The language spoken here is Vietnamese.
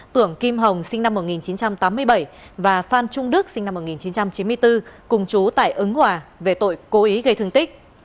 tưởng kim hồng sinh năm một nghìn chín trăm tám mươi bảy và phan trung đức sinh năm một nghìn chín trăm chín mươi bốn cùng chú tại ứng hòa về tội cố ý gây thương tích